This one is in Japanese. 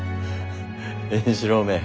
円四郎め。